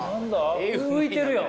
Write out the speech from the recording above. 浮いてるやん！